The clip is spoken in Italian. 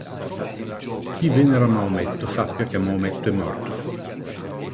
Chi venera Maometto sappia che Maometto è morto.